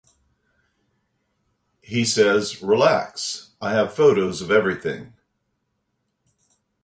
He says, "Relax, I have photos of everything".